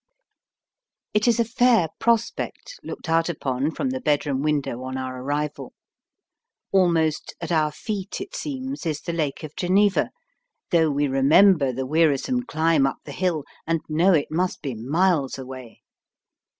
It is a fair prospect looked out upon from the bedroom window on our arrival. Almost at our feet, it seems, is the Lake of Geneva, though we remember the wearisome climb up the hill, and know it must be miles away.